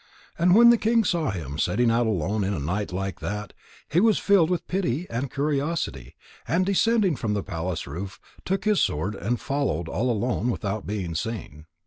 And when the king saw him setting out alone in a night like that, he was filled with pity and curiosity, and descending from the palace roof, took his sword and followed all alone, without being seen.